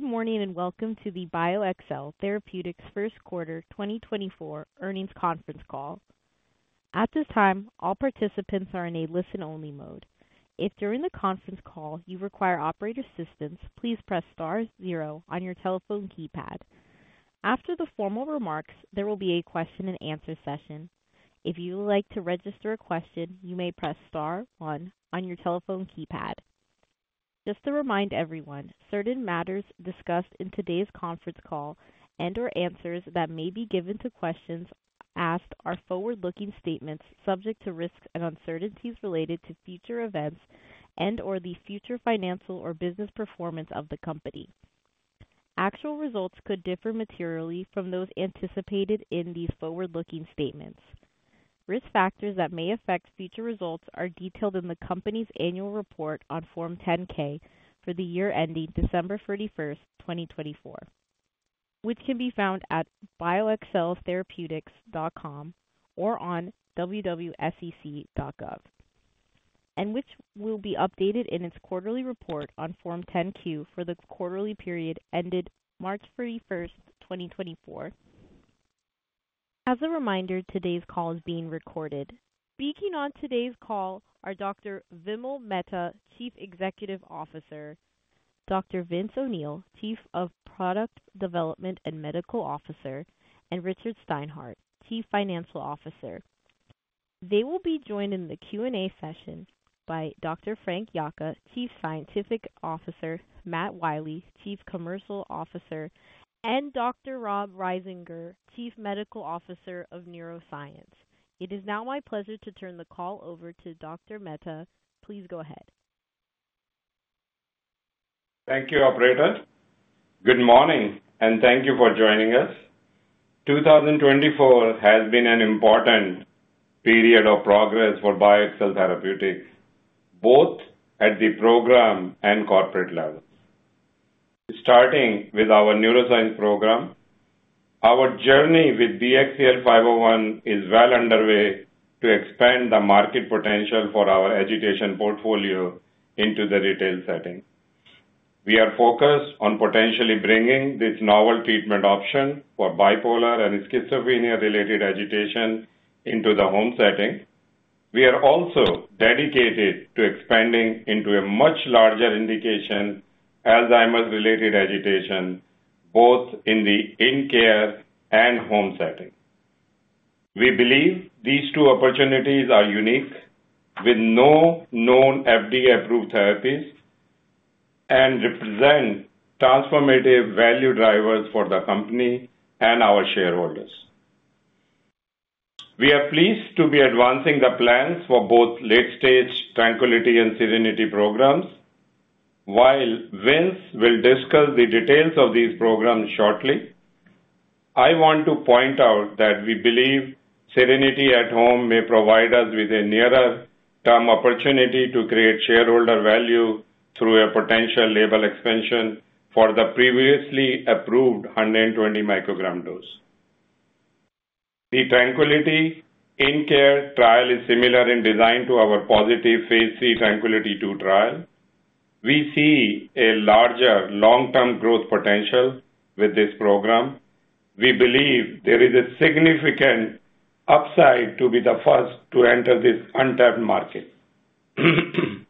Good morning, and welcome to the BioXcel Therapeutics Q1 2024 earnings conference call. At this time, all participants are in a listen-only mode. If during the conference call you require operator assistance, please press star zero on your telephone keypad. After the formal remarks, there will be a question-and-answer session. If you would like to register a question, you may press star one on your telephone keypad. Just to remind everyone, certain matters discussed in today's conference call and/or answers that may be given to questions asked are forward-looking statements subject to risks and uncertainties related to future events and/or the future financial or business performance of the company. Actual results could differ materially from those anticipated in these forward-looking statements. Risk factors that may affect future results are detailed in the company's Annual Report on Form 10-K for the year ending December 31, 2024, which can be found at bioxceltherapeutics.com or on www.sec.gov, and which will be updated in its quarterly report on Form 10-Q for the quarterly period ended March 31, 2024. As a reminder, today's call is being recorded. Speaking on today's call are Dr. Vimal Mehta, Chief Executive Officer, Dr. Vince O'Neill, Chief of Product Development and Medical Officer, and Richard Steinhart, Chief Financial Officer. They will be joined in the Q&A session by Dr. Frank Yocca, Chief Scientific Officer, Matt Wiley, Chief Commercial Officer, and Dr. Rob Risinger, Chief Medical Officer of Neuroscience. It is now my pleasure to turn the call over to Dr. Mehta. Please go ahead. Thank you, operator. Good morning, and thank you for joining us. 2024 has been an important period of progress for BioXcel Therapeutics, both at the program and corporate levels. Starting with our Neuroscience program, our journey with BXCL501 is well underway to expand the market potential for our agitation portfolio into the retail setting. We are focused on potentially bringing this novel treatment option for bipolar and schizophrenia-related agitation into the home setting. We are also dedicated to expanding into a much larger indication, Alzheimer's-related agitation, both in the In-Care and home setting. We believe these two opportunities are unique, with no known FDA-approved therapies, and represent transformative value drivers for the company and our shareholders. We are pleased to be advancing the plans for both late-stage TRANQUILTY and SERENITY programs. While Vince will discuss the details of these programs shortly, I want to point out that we believe SERENITY At-Home may provide us with a nearer-term opportunity to create shareholder value through a potential label expansion for the previously approved 120-microgram dose. The TRANQUILITY In-Care trial is similar in design to our positive phase III TRANQUILITY II trial. We see a larger long-term growth potential with this program. We believe there is a significant upside to be the first to enter this untapped market. In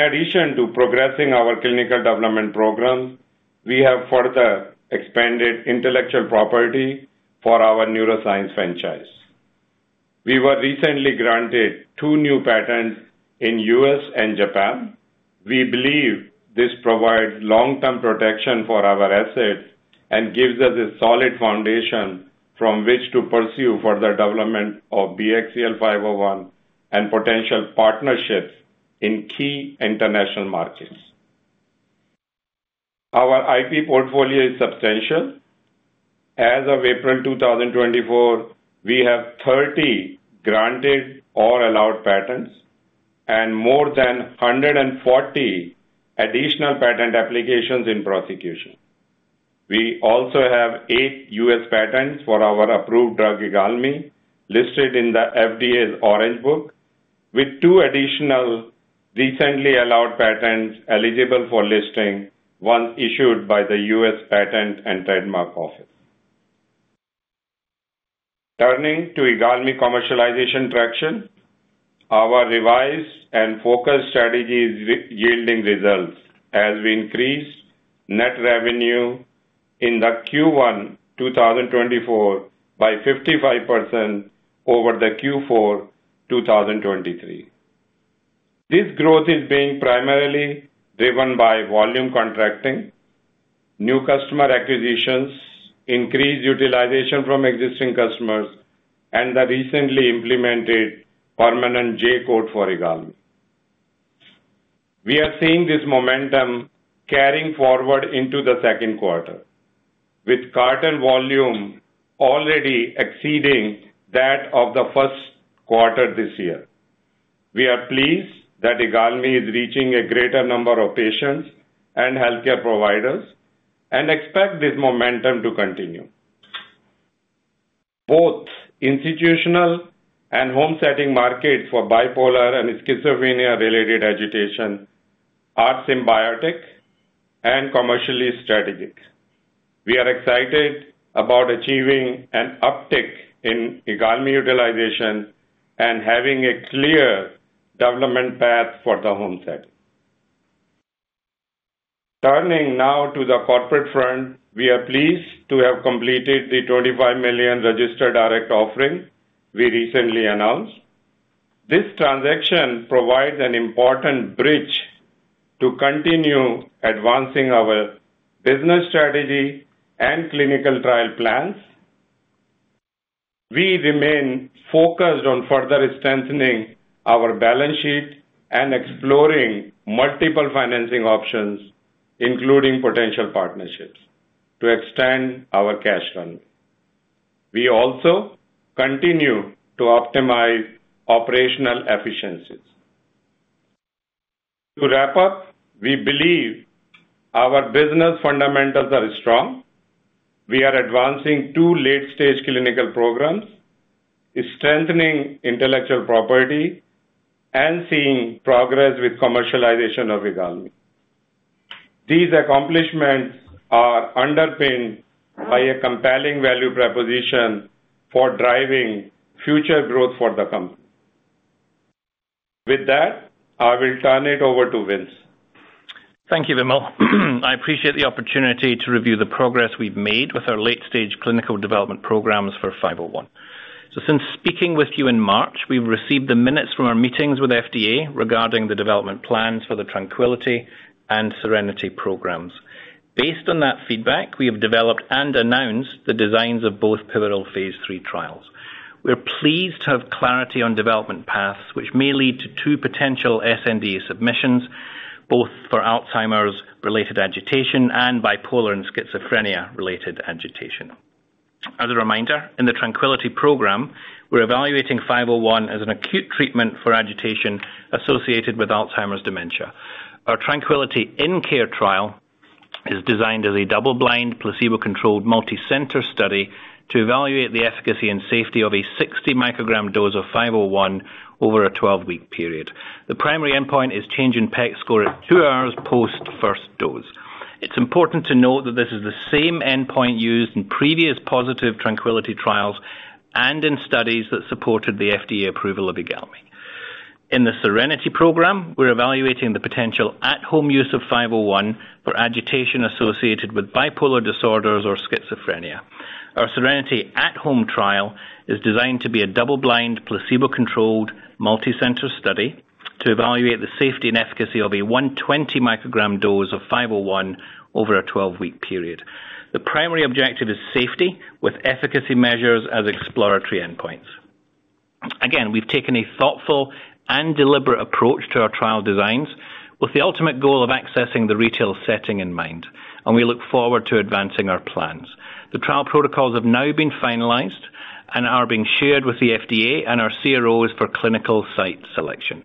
addition to progressing our clinical development programs, we have further expanded intellectual property for our Neuroscience franchise. We were recently granted two new patents in the U.S. and Japan. We believe this provides long-term protection for our assets and gives us a solid foundation from which to pursue further development of BXCL501 and potential partnerships in key international markets. Our IP portfolio is substantial. As of April 2024, we have 30 granted or allowed patents and more than 140 additional patent applications in prosecution. We also have eight U.S. patents for our approved drug, IGALMI, listed in the FDA's Orange Book, with two additional recently allowed patents eligible for listing once issued by the U.S. Patent and Trademark Office. Turning to IGALMI commercialization traction, our revised and focused strategy is re-yielding results as we increase net revenue in the Q1 2024 by 55% over the Q4 2023. This growth is being primarily driven by volume contracting, new customer acquisitions, increased utilization from existing customers, and the recently implemented permanent J code for IGALMI. We are seeing this momentum carrying forward into the Q2, with carton volume already exceeding that of the Q1 this year. We are pleased that IGALMI is reaching a greater number of patients and healthcare providers and expect this momentum to continue... Both institutional and home setting markets for bipolar and schizophrenia-related agitation are symbiotic and commercially strategic. We are excited about achieving an uptick in IGALMI utilization and having a clear development path for the home setting. Turning now to the corporate front, we are pleased to have completed the $25 million registered direct offering we recently announced. This transaction provides an important bridge to continue advancing our business strategy and clinical trial plans. We remain focused on further strengthening our balance sheet and exploring multiple financing options, including potential partnerships, to extend our cash funds. We also continue to optimize operational efficiencies. To wrap up, we believe our business fundamentals are strong. We are advancing two late-stage clinical programs, strengthening intellectual property, and seeing progress with commercialization of IGALMI. These accomplishments are underpinned by a compelling value proposition for driving future growth for the company. With that, I will turn it over to Vince. Thank you, Vimal. I appreciate the opportunity to review the progress we've made with our late-stage clinical development programs for 501. So since speaking with you in March, we've received the minutes from our meetings with FDA regarding the development plans for the TRANQUILITY and SERENITY programs. Based on that feedback, we have developed and announced the designs of both pivotal phase III trials. We're pleased to have clarity on development paths, which may lead to two potential sNDA submissions, both for Alzheimer's-related agitation and bipolar and schizophrenia-related agitation. As a reminder, in the TRANQUILITY program, we're evaluating 501 as an acute treatment for agitation associated with Alzheimer's dementia. Our TRANQUILITY In-Care trial is designed as a double-blind, placebo-controlled, multi-center study to evaluate the efficacy and safety of a 60 microgram dose of 501 over a 12-week period. The primary endpoint is change in PEC score at two hours post first dose. It's important to note that this is the same endpoint used in previous positive TRANQUILITY trials and in studies that supported the FDA approval of IGALMI. In the SERENITY program, we're evaluating the potential At-Home use of 501 for agitation associated with bipolar disorders or schizophrenia. Our SERENITY At-Home trial is designed to be a double-blind, placebo-controlled, multi-center study to evaluate the safety and efficacy of a 120 microgram dose of 501 over a 12-week period. The primary objective is safety, with efficacy measures as exploratory endpoints. Again, we've taken a thoughtful and deliberate approach to our trial designs, with the ultimate goal of accessing the retail setting in mind, and we look forward to advancing our plans. The trial protocols have now been finalized and are being shared with the FDA and our CROs for clinical site selection.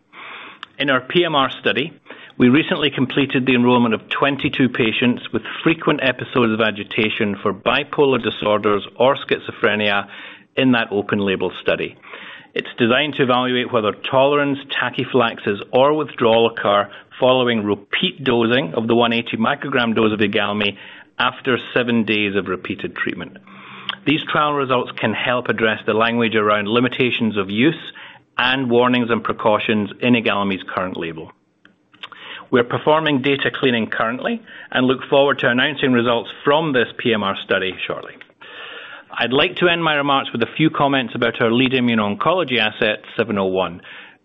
In our PMR study, we recently completed the enrollment of 22 patients with frequent episodes of agitation for bipolar disorders or schizophrenia in that open label study. It's designed to evaluate whether tolerance, tachyphylaxis, or withdrawal occur following repeat dosing of the 180 microgram dose of IGALMI after seven days of repeated treatment. These trial results can help address the language around limitations of use and warnings and precautions in IGALMI's current label. We're performing data cleaning currently, and look forward to announcing results from this PMR study shortly. I'd like to end my remarks with a few comments about our lead immuno-oncology asset, 701.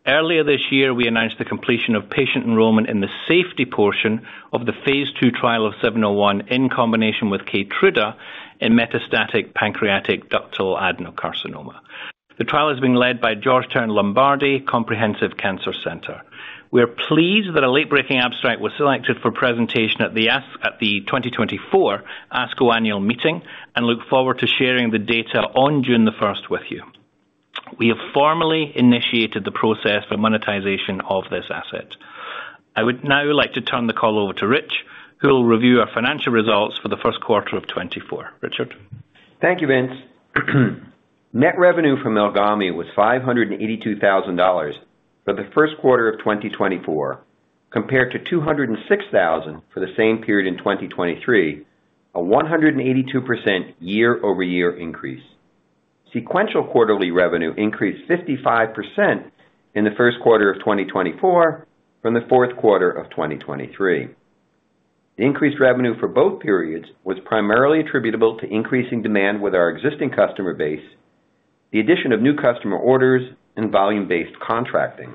Earlier this year, we announced the completion of patient enrollment in the safety portion of the phase II trial of BXCL701 in combination with Keytruda in metastatic pancreatic ductal adenocarcinoma. The trial is being led by Georgetown Lombardi Comprehensive Cancer Center. We are pleased that a late-breaking abstract was selected for presentation at the 2024 ASCO annual meeting and look forward to sharing the data on June 1 with you. We have formally initiated the process for monetization of this asset. I would now like to turn the call over to Rich, who will review our financial results for the first quarter of 2024. Richard? Thank you, Vince. Net revenue from IGALMI was $582,000 for the Q2 of 2024, compared to $206,000 for the same period in 2023, a 182% year-over-year increase. Sequential quarterly revenue increased 55% in the Q1 of 2024 from the Q4 of 2023. Increased revenue for both periods was primarily attributable to increasing demand with our existing customer base, the addition of new customer orders, and volume-based contracting.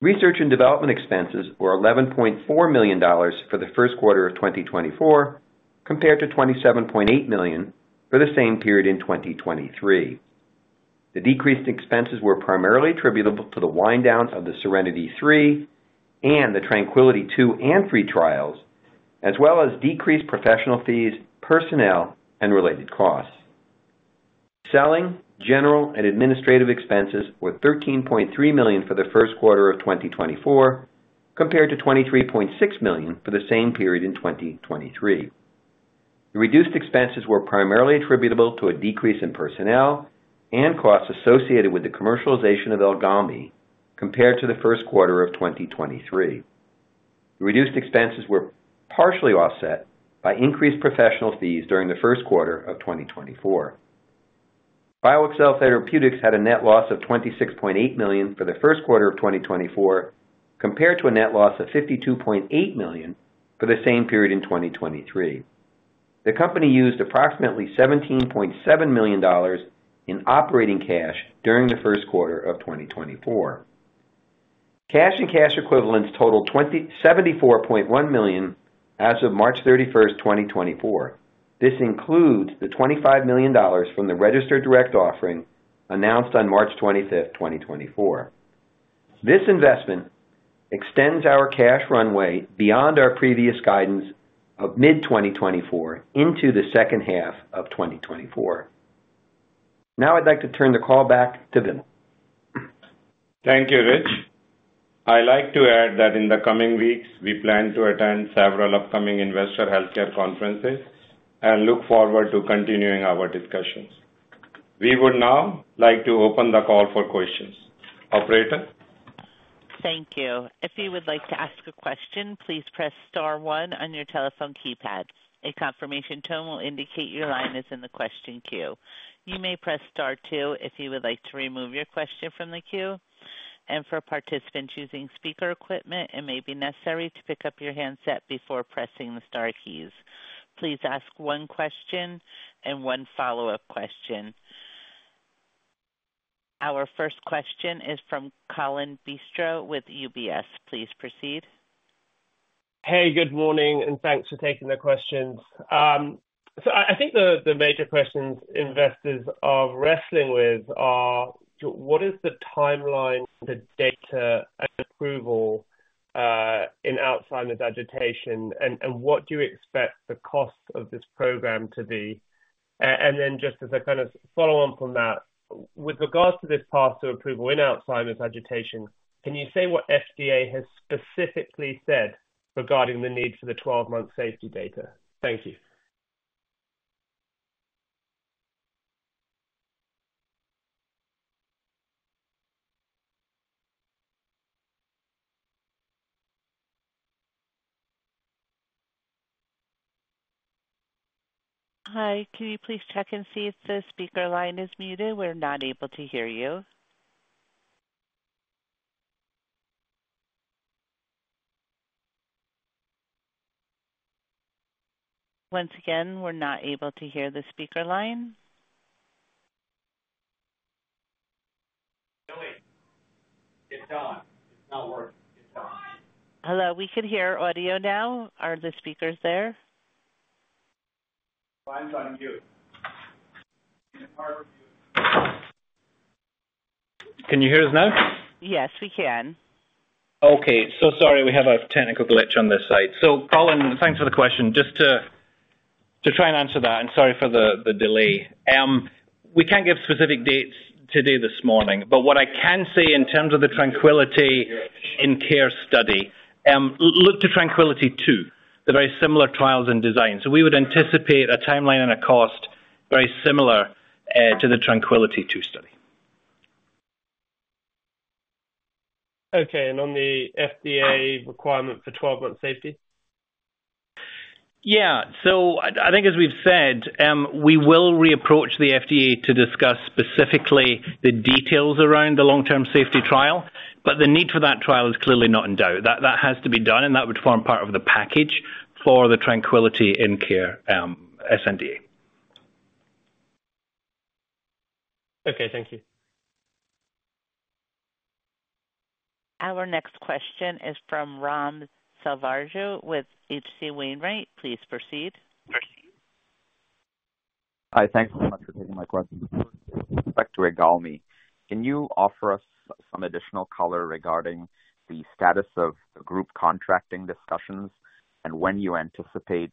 Research and development expenses were $11.4 million for the Q1 of 2024, compared to $27.8 million for the same period in 2023. The decreased expenses were primarily attributable to the wind down of the SERENITY III and the TRANQUILITY II and III trials, as well as decreased professional fees, personnel, and related costs. Selling, general, and administrative expenses were $13.3 million for the Q1 of 2024, compared to $23.6 million for the same period in 2023. The reduced expenses were primarily attributable to a decrease in personnel and costs associated with the commercialization of IGALMI, compared to the Q1 of 2023. The reduced expenses were partially offset by increased professional fees during the Q1 of 2024. BioXcel Therapeutics had a net loss of $26.8 million for the Q1 of 2024, compared to a net loss of $52.8 million for the same period in 2023. The company used approximately $17.7 million in operating cash during the Q1 of 2024. Cash and cash equivalents totaled $74.1 million as of March 31, 2024. This includes the $25 million from the registered direct offering announced on March 25, 2024. This investment extends our cash runway beyond our previous guidance of mid-2024 into the H2 of 2024. Now I'd like to turn the call back to Vimal. Thank you, Rich. I'd like to add that in the coming weeks, we plan to attend several upcoming investor healthcare conferences and look forward to continuing our discussions. We would now like to open the call for questions. Operator? Thank you. If you would like to ask a question, please press star one on your telephone keypad. A confirmation tone will indicate your line is in the question queue. You may press star two if you would like to remove your question from the queue, and for participants using speaker equipment, it may be necessary to pick up your handset before pressing the star keys. Please ask one question and one follow-up question. Our first question is from Colin Bristow with UBS. Please proceed. Hey, good morning, and thanks for taking the questions. So I think the major questions investors are wrestling with are: what is the timeline for the data and approval in Alzheimer's agitation? And what do you expect the cost of this program to be? And then just as a kind of follow-up on that, with regards to this path to approval in Alzheimer's agitation, can you say what FDA has specifically said regarding the need for the 12-month safety data? Thank you. Hi, can you please check and see if the speaker line is muted? We're not able to hear you. Once again, we're not able to hear the speaker line. It's on. It's not working. It's on. Hello, we can hear audio now. Are the speakers there? Mine's on mute. It's hard to mute. Can you hear us now? Yes, we can. Okay. So sorry, we have a technical glitch on this side. So Colin, thanks for the question. Just to try and answer that, and sorry for the delay. We can't give specific dates today, this morning, but what I can say in terms of the TRANQUILITY II in Care study, look to TRANQUILITY II, the very similar trials in design. So we would anticipate a timeline and a cost very similar to the TRANQUILITY II study. Okay, and on the FDA requirement for 12-month safety? Yeah. So I think as we've said, we will re-approach the FDA to discuss specifically the details around the long-term safety trial, but the need for that trial is clearly not in doubt. That has to be done, and that would form part of the package for the TRANQUILITY In-Care sNDA. Okay, thank you. Our next question is from Ram Selvaraju with H.C. Wainwright. Please proceed. Proceed. Hi, thanks so much for taking my question. Back to IGALMI. Can you offer us some additional color regarding the status of the group contracting discussions and when you anticipate,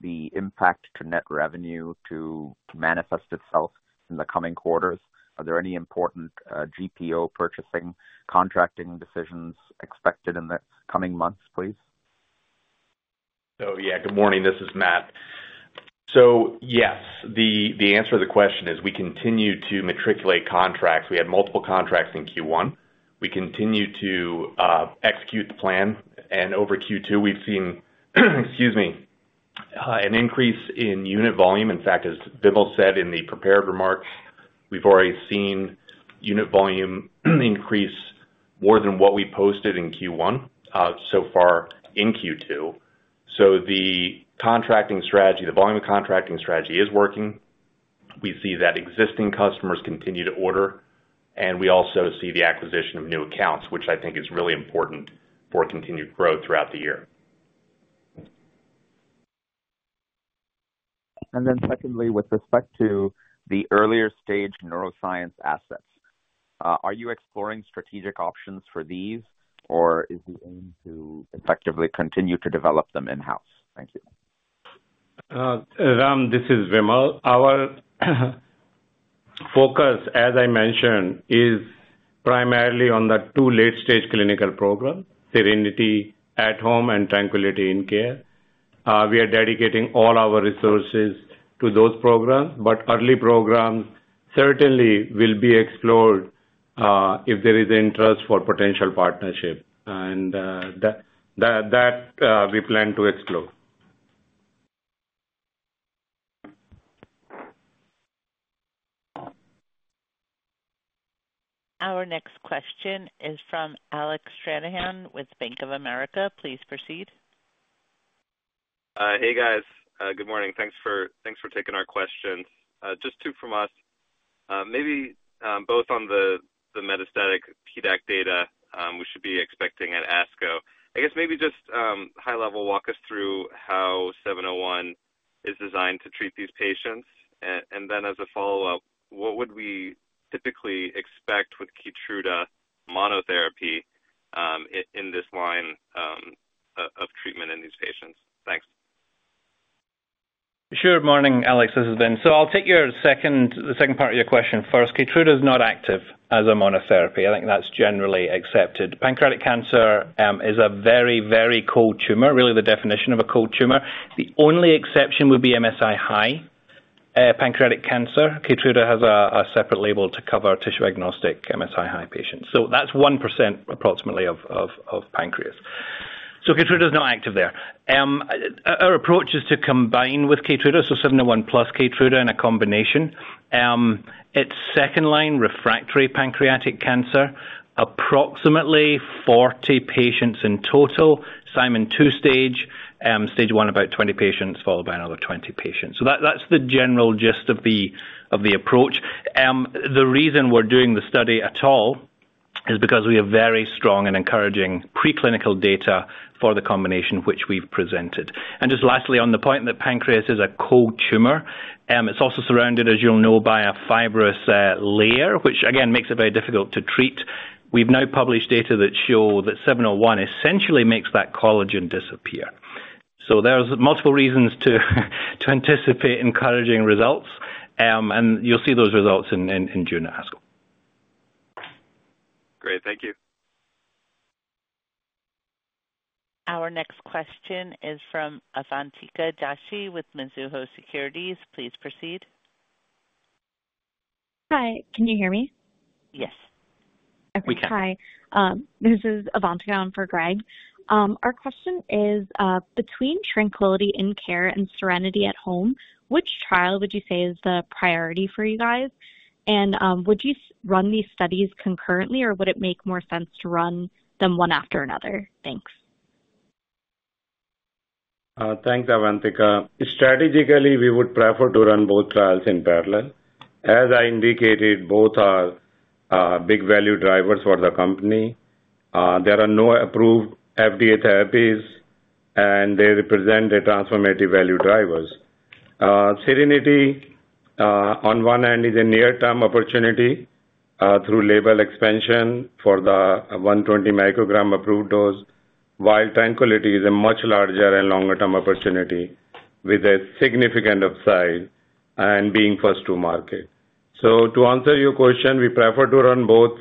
the impact to net revenue to, to manifest itself in the coming quarters? Are there any important, GPO purchasing, contracting decisions expected in the coming months, please? So, yeah, good morning, this is Matt. So yes, the answer to the question is we continue to negotiate contracts. We had multiple contracts in Q1. We continue to execute the plan, and over Q2, we've seen, excuse me, an increase in unit volume. In fact, as Vimal said in the prepared remarks, we've already seen unit volume increase more than what we posted in Q1 so far in Q2. So the contracting strategy, the volume contracting strategy is working. We see that existing customers continue to order, and we also see the acquisition of new accounts, which I think is really important for continued growth throughout the year. Secondly, with respect to the earlier stage Neuroscience assets, are you exploring strategic options for these, or is the aim to effectively continue to develop them in-house? Thank you.... Ram, this is Vimal. Our focus, as I mentioned, is primarily on the two late-stage clinical program, SERENITY At-Home and TRANQUILITY In-Care. We are dedicating all our resources to those programs, but early programs certainly will be explored if there is interest for potential partnership, and that we plan to explore. Our next question is from Alec Stranahan with Bank of America. Please proceed. Hey, guys. Good morning. Thanks for taking our questions. Just two from us. Maybe both on the metastatic PDAC data we should be expecting at ASCO. I guess maybe just high level, walk us through how 701 is designed to treat these patients. And then as a follow-up, what would we typically expect with Keytruda monotherapy in this line of treatment in these patients? Thanks. Sure. Morning, Alex, this is Vince. So I'll take the second part of your question first. Keytruda is not active as a monotherapy. I think that's generally accepted. Pancreatic cancer is a very, very cold tumor, really the definition of a cold tumor. The only exception would be MSI-High pancreatic cancer. Keytruda has a separate label to cover tissue-agnostic MSI-High patients. So that's approximately 1% of pancreas. So Keytruda is not active there. Our approach is to combine with Keytruda, so 701 plus Keytruda in a combination. It's second-line refractory pancreatic cancer, approximately 40 patients in total, Simon two-stage, stage one, about 20 patients, followed by another 20 patients. So that's the general gist of the approach. The reason we're doing the study at all is because we have very strong and encouraging preclinical data for the combination which we've presented. And just lastly, on the point that pancreas is a cold tumor, it's also surrounded, as you'll know, by a fibrous layer, which again, makes it very difficult to treat. We've now published data that show that 701 essentially makes that collagen disappear. So there's multiple reasons to anticipate encouraging results, and you'll see those results in June at ASCO. Great. Thank you. Our next question is from Avantika Joshi with Mizuho Securities. Please proceed. Hi, can you hear me? Yes. We can. Okay. Hi, this is Avantika for Greg. Our question is, between TRANQUILITY In-Care and SERENITY At-Home, which trial would you say is the priority for you guys? And, would you run these studies concurrently, or would it make more sense to run them one after another? Thanks. Thanks, Avantika. Strategically, we would prefer to run both trials in parallel. As I indicated, both are, big value drivers for the company. There are no approved FDA therapies, and they represent the transformative value drivers. SERENITY, on one hand, is a near-term opportunity, through label expansion for the 120 microgram approved dose, while TRANQUILITY is a much larger and longer-term opportunity with a significant upside and being first to market. So to answer your question, we prefer to run both.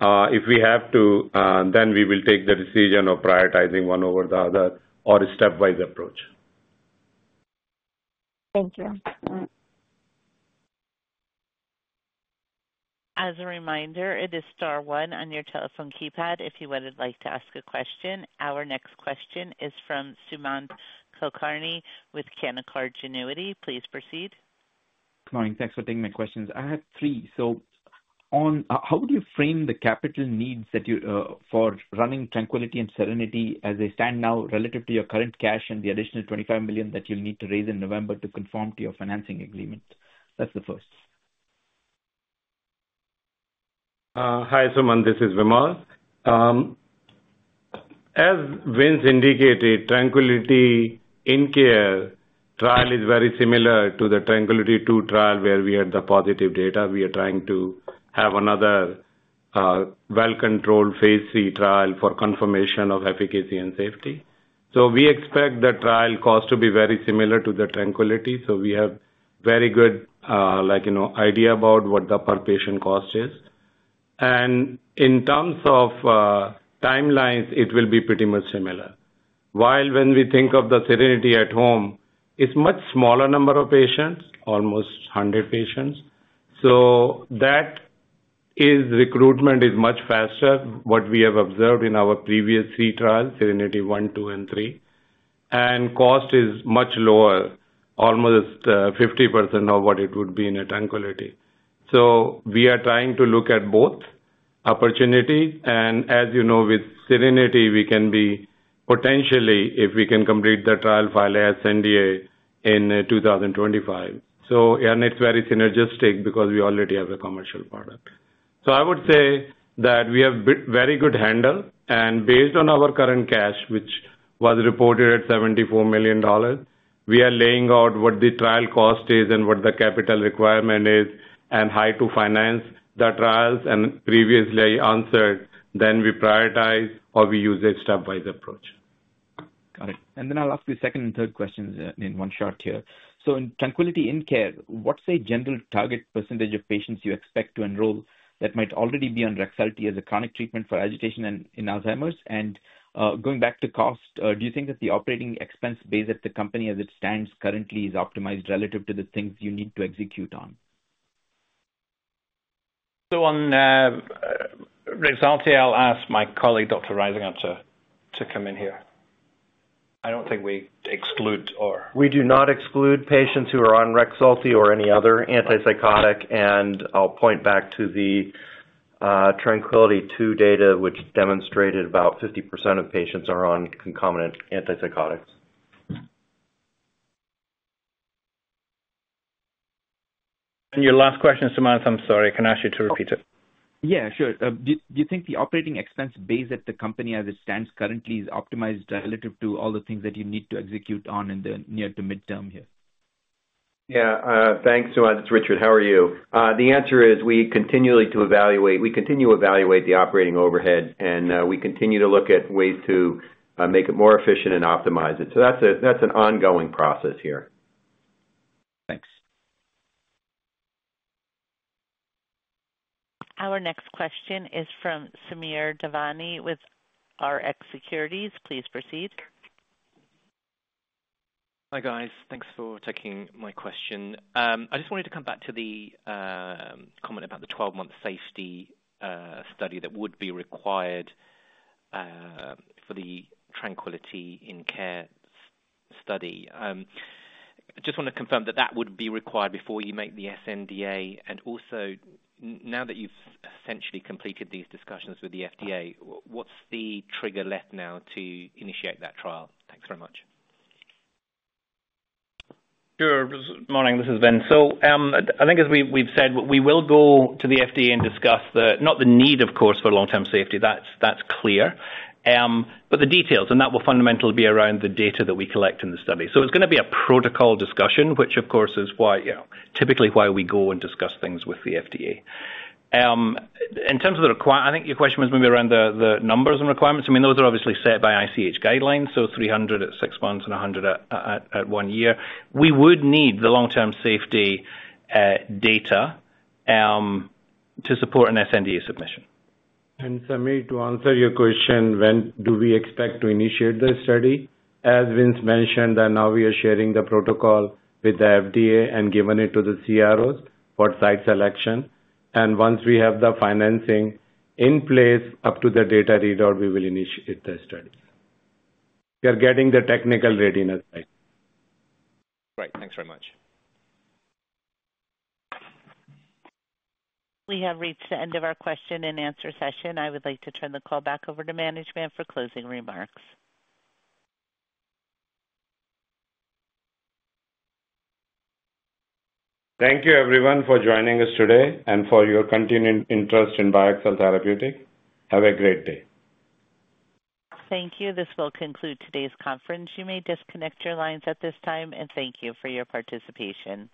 If we have to, then we will take the decision of prioritizing one over the other or a step-wise approach. Thank you. As a reminder, it is star one on your telephone keypad if you would like to ask a question. Our next question is from Sumant Kulkarni with Canaccord Genuity. Please proceed. Good morning. Thanks for taking my questions. I have three. So on... how would you frame the capital needs that you for running TRANQUILITY and SERENITY as they stand now, relative to your current cash and the additional $25 million that you'll need to raise in November to conform to your financing agreements? That's the first. Hi, Sumant, this is Vimal. As Vince indicated, TRANQUILITY In-Care trial is very similar to the TRANQUILITY II trial, where we had the positive data. We are trying to have another, well-controlled Phase III trial for confirmation of efficacy and safety. So we expect the trial cost to be very similar to the TRANQUILITY. So we have very good, like, you know, idea about what the per patient cost is. And in terms of, timelines, it will be pretty much similar. While when we think of the SERENITY At-Home, it's much smaller number of patients, almost 100 patients, so that is, recruitment is much faster what we have observed in our previous 3 trials, SERENITY one, two, and three, and cost is much lower, almost, 50% of what it would be in a TRANQUILITY. So we are trying to look at both opportunities, and as you know, with SERENITY, we can be potentially, if we can complete the trial, file as NDA in 2025. So, and it's very synergistic because we already have a commercial product. So I would say that we have very good handle, and based on our current cash, which was reported at $74 million, we are laying out what the trial cost is and what the capital requirement is and how to finance the trials, and previously answered, then we prioritize or we use a step-wise approach.... Got it. And then I'll ask you a second and third question in one shot here. So in TRANQUILITY In-Care, what's the general target percentage of patients you expect to enroll that might already be on Rexulti as a chronic treatment for agitation and in Alzheimer's? And, going back to cost, do you think that the operating expense base at the company, as it stands currently, is optimized relative to the things you need to execute on? On Rexulti, I'll ask my colleague, Dr. Risinger, to come in here. I don't think we exclude or- We do not exclude patients who are on Rexulti or any other antipsychotic. I'll point back to the TRANQUILITY II data, which demonstrated about 50% of patients are on concomitant antipsychotics. Your last question, Sumant, I'm sorry, can I ask you to repeat it? Yeah, sure. Do you think the operating expense base at the company, as it stands currently, is optimized relative to all the things that you need to execute on in the near to mid-term here? Yeah. Thanks so much. It's Richard. How are you? The answer is we continue to evaluate the operating overhead, and we continue to look at ways to make it more efficient and optimize it. So that's an ongoing process here. Thanks. Our next question is from Samir Devani with Rx Securities. Please proceed. Hi, guys. Thanks for taking my question. I just wanted to come back to the comment about the 12-month safety study that would be required for the TRANQUILITY In-Care trial. I just want to confirm that that would be required before you make the sNDA. And also, now that you've essentially completed these discussions with the FDA, what's the trigger left now to initiate that trial? Thanks very much. Sure. Morning, this is Vince. So, I think as we've said, we will go to the FDA and discuss the... not the need, of course, for long-term safety, that's clear, but the details, and that will fundamentally be around the data that we collect in the study. So it's going to be a protocol discussion, which of course is why, you know, typically why we go and discuss things with the FDA. In terms of the, I think your question was maybe around the numbers and requirements. I mean, those are obviously set by ICH guidelines, so 300 at six months and 100 at one year. We would need the long-term safety data to support an sNDA submission. Samir, to answer your question, when do we expect to initiate this study? As Vince mentioned, that now we are sharing the protocol with the FDA and giving it to the CROs for site selection, and once we have the financing in place up to the data readout, we will initiate the studies. We are getting the technical readiness right. Great. Thanks very much. We have reached the end of our question-and-answer session. I would like to turn the call back over to management for closing remarks. Thank you, everyone, for joining us today and for your continued interest in BioXcel Therapeutics. Have a great day. Thank you. This will conclude today's conference. You may disconnect your lines at this time, and thank you for your participation.